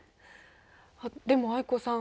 あっでも藍子さん。